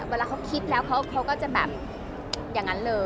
เวลาเขาคิดแล้วเขาก็จะแบบอย่างนั้นเลย